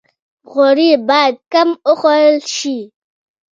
غوړي باید کم وخوړل شي